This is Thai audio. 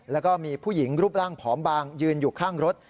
แล้วก็มีผู้หญิงรูปร่างผอมบางยืนอยู่ข้างรถ